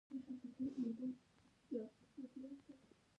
کلي د ناحیو ترمنځ تفاوتونه رامنځ ته کوي.